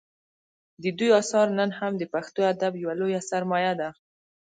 د دوی اثار نن هم د پښتو ادب یوه لویه سرمایه ده